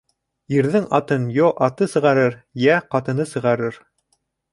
Ирҙең атын йо аты сығарыр, йә ҡатыны сығарыр.